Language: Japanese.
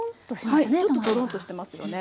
はいちょっとトロンとしてますよね。